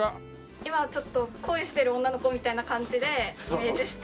今ちょっと恋してる女の子みたいな感じでイメージして。